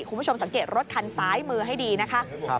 คุณผู้ชมสังเกตรถคันซ้ายมือให้ดีนะคะ